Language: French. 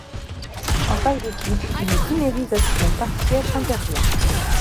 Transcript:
En phase liquide, une dimérisation partielle intervient.